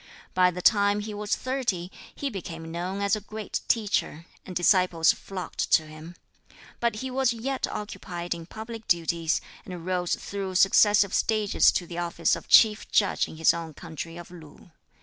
By the time he was thirty he became known as a great teacher, and disciples flocked to him. But he was yet occupied in public duties, and rose through successive stages to the office of Chief Judge in his own country of Lu.